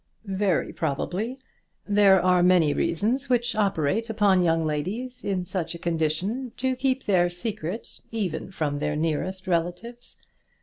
"Very probably. There are many reasons which operate upon young ladies in such a condition to keep their secret even from their nearest relatives.